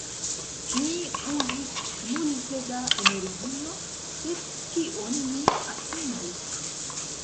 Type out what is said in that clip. Ni uzis multe da energio, sed kion ni atingis?